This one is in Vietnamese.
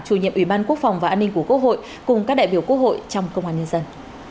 chủ nhiệm ủy ban quốc phòng và an ninh của quốc hội cùng các đại biểu quốc hội trong công an nhân dân